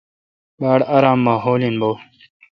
باڑ آرام ماحول این بو۔